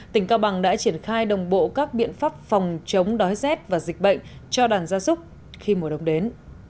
tỉnh cao bằng đã triển khai đồng bộ các biện pháp phòng chống đói rét và dịch bệnh cho đàn gia súc khi mùa đông đến